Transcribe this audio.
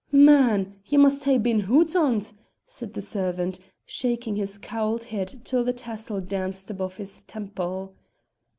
"Man, ye must hae been hot on't!" said the servant, shaking his cowled head till the tassel danced above his temple.